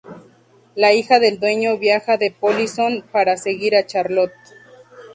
La hija del dueño viaja de polizón para seguir a Charlot.